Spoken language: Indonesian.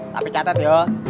tapi catet yuk